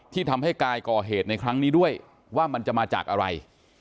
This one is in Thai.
ทำให้กายก่อเหตุในครั้งนี้ด้วยว่ามันจะมาจากอะไร